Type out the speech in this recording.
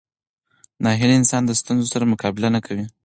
ناهیلي انسان د ستونزو سره مقابله نه کوي.